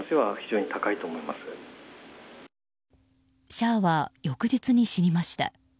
シャーは翌日に死にました。